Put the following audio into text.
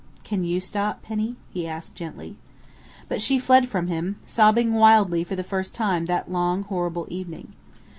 "Can you stop, Penny?" he asked gently. But she fled from him, sobbing wildly for the first time that long, horrible evening.